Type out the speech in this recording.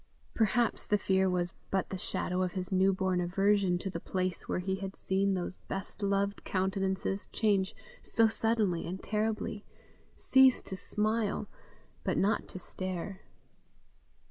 Perhaps the fear was but the shadow of his new born aversion to the place where he had seen those best loved countenances change so suddenly and terribly cease to smile, but not cease to stare.